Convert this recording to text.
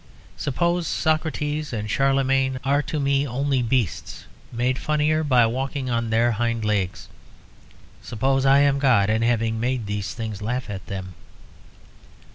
Suppose Socrates and Charlemagne are to me only beasts, made funnier by walking on their hind legs. Suppose I am God, and having made things, laugh at them."